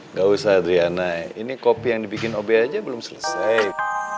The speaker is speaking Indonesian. nggak usah adriana ini kopi yang dibikin obe aja belum selesai